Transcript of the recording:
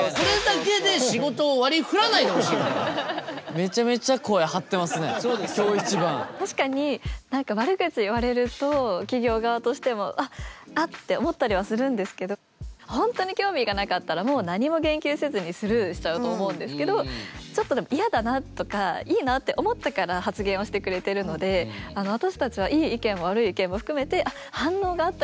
めちゃめちゃ確かに何か悪口言われると企業側としても「うわっあっ」て思ったりはするんですけど本当に興味がなかったらもう何も言及せずにスルーしちゃうと思うんですけどちょっとでも「嫌だな」とか「いいな」って思ってから発言をしてくれてるので私たちはいい意見も悪い意見も含めて「反応があった！